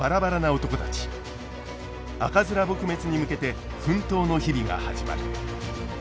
赤面撲滅に向けて奮闘の日々が始まる。